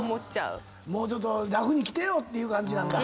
もうちょっと楽に来てよっていう感じなんだ。